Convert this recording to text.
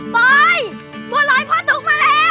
ปล่อยบัวรอยพ่อตุ๊กมาแล้วเย้